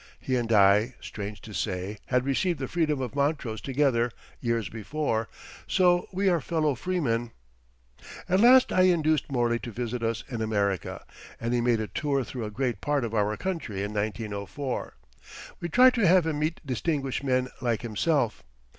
He and I, strange to say, had received the Freedom of Montrose together years before, so we are fellow freemen. At last I induced Morley to visit us in America, and he made a tour through a great part of our country in 1904. We tried to have him meet distinguished men like himself.